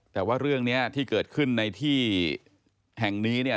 แต่ว่าเรื่องนี้ที่เกิดขึ้นในที่แห่งนี้เนี่ย